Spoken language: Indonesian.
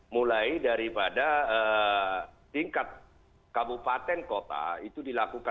mulai daripada tingkat kabupaten kota itu dilakukan